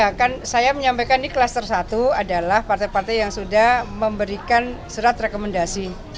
ya kan saya menyampaikan ini klaster satu adalah partai partai yang sudah memberikan surat rekomendasi